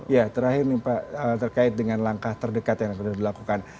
ya terakhir nih pak terkait dengan langkah terdekat yang sudah dilakukan